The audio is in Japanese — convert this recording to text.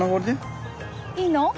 いいの？